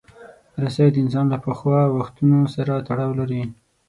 رسۍ د انسان له پخوا وختونو سره تړاو لري.